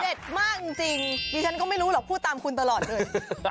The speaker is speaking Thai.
อร่อยจริงเด็ดมากจริงดิฉันก็ไม่รู้หรอกพูดตามคุณตลอดเลย